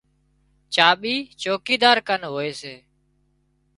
چاٻي چوڪيدار ڪن هوئي سي